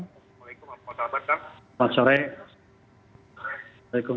waalaikumsalam apa kabar kang